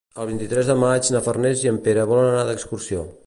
El vint-i-tres de maig na Farners i en Pere volen anar d'excursió.